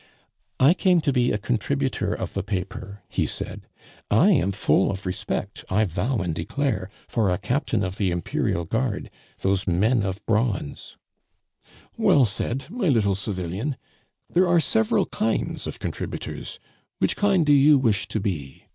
"I came to be a contributor of the paper," he said. "I am full of respect, I vow and declare, for a captain of the Imperial Guard, those men of bronze " "Well said, my little civilian, there are several kinds of contributors; which kind do you wish to be?"